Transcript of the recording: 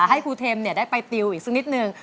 ให้ครูเทมได้ไปติวอีกสักนิดนึง